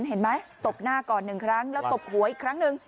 เห็นไหมตบหน้าก่อนหนึ่งครั้งแล้วตบหัวอีกครั้งหนึ่ง